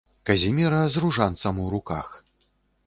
Казіміра з ружанцам у руках.